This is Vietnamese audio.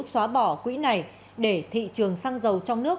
xóa bỏ quỹ này để thị trường xăng dầu trong nước